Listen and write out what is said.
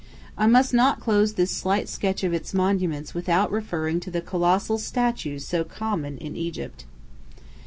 I must not close this slight sketch of its monuments without referring to the colossal statues so common in Egypt.